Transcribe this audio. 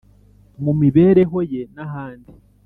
mu mibereho ye n’abandi